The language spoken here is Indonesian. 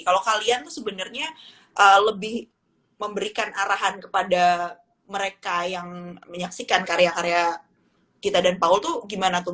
kalau kalian tuh sebenarnya lebih memberikan arahan kepada mereka yang menyaksikan karya karya kita dan paul tuh gimana tuh